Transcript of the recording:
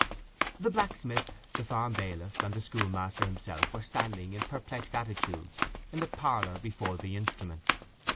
The blacksmith, the farm bailiff, and the schoolmaster himself were standing in perplexed attitudes in the parlour before the instrument.